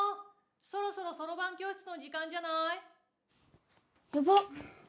そろそろそろばん教室の時間じゃない？やばっ！